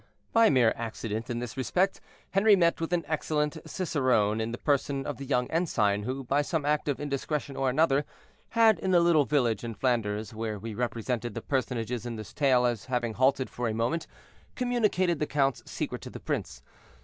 By mere accident, in this respect, Henri met with an excellent cicerone in the person of the young ensign, who, by some act of indiscretion or another, had, in the little village in Flanders where we represented the personages in this tale as having halted for a moment, communicated the count's secret to the prince.